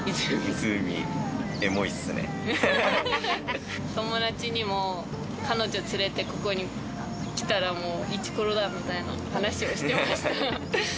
湖、友達にも、彼女連れてここに来たらもう、いちころだみたいな話をしてました。